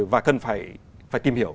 và cần phải tìm hiểu